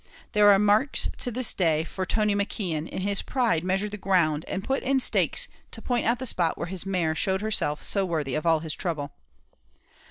There are the marks to this day, for Tony McKeon, in his pride, measured the ground, and put in stakes to point out the spot where his mare showed herself so worthy of all his trouble.